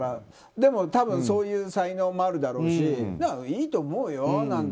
でも多分そういう才能もあるだろうしいいと思うよ。